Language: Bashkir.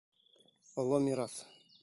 Оло мираҫ